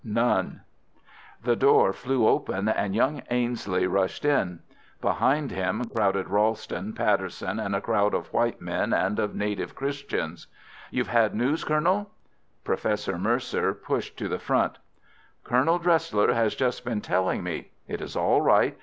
"None." The door flew open and young Ainslie rushed in. Behind him crowded Ralston, Patterson, and a crowd of white men and of native Christians. "You've had news, Colonel?" Professor Mercer pushed to the front. "Colonel Dresler has just been telling me. It is all right.